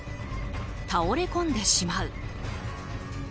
倒れこんでしまう。